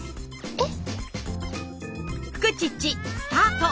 えっ！